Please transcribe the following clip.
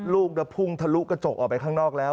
ลูกพุ่งทะลุกระจกออกไปข้างนอกแล้ว